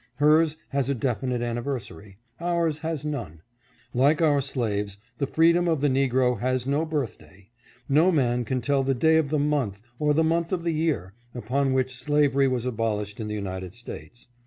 Hers has a definite anniversary. Ours has none. Like our slaves, the freedom of the negro has no birthday. No man can tell the day of the month, or the month of the year, upon which slavery was abolished in the United States.